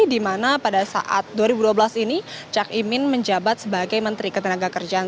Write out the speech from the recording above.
di mana pada saat dua ribu dua belas ini cak imin menjabat sebagai menteri ketenagakerjaan